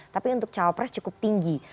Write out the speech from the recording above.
tapi untuk cawapres cukup tinggi